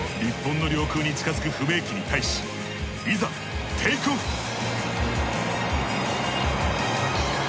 日本の領空に近づく不明機に対しいざテイクオフ！